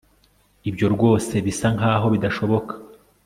Ibyo rwose bisa nkaho bidashoboka